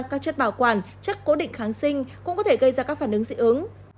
các chất bảo quản chất cố định kháng sinh cũng có thể gây ra các phản ứng dị ứng